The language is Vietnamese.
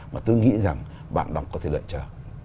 mà tôi nghĩ rằng bạn đọc có thể đợi chờ